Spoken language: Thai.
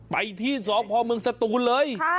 ไปที่สพเมืองสตูนเลย